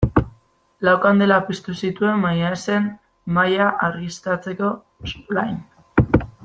Lau kandela piztu zituen baina ez zen mahaia argiztatzeko lain.